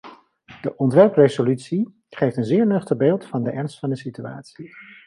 De ontwerpresolutie geeft een zeer nuchter beeld van de ernst van de situatie.